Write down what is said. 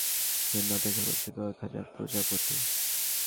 সেখানে রঙিন ডানা মেলে তোমার জন্য অপেক্ষা করছে কয়েক হাজার প্রজাপতি।